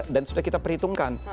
dan sudah kita perhitungkan